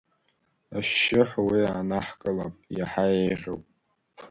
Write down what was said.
Ашьшьыҳәа уа иаанаҳкылап, иаҳа еиӷьуп.